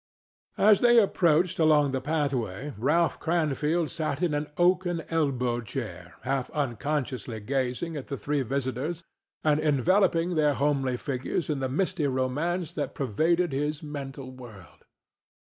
As they approached along the pathway Ralph Cranfield sat in an oaken elbow chair half unconsciously gazing at the three visitors and enveloping their homely figures in the misty romance that pervaded his mental world.